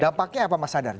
dampaknya apa mas sadar